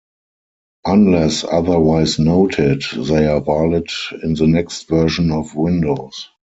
Unless otherwise noted, they are valid in the next version of Windows.